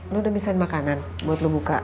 lu udah misain makanan buat lu buka